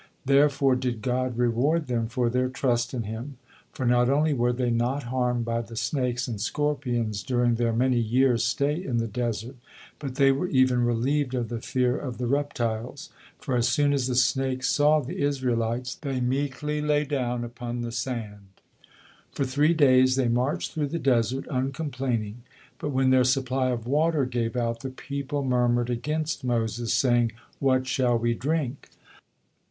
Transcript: Therefore did God reward them for their trust in Him, for not only were they not harmed by the snakes and scorpions during their many years stay in the desert, but they were even relieved of the fear of the reptiles, for as soon as the snakes saw the Israelites, they meekly lay down upon the sand. For three days they marched through the desert, uncomplaining, but when their supply of water gave out, the people murmured against Moses, saying, "What shall we drink?"